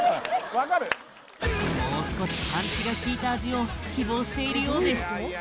分かるもう少しパンチがきいた味を希望しているようです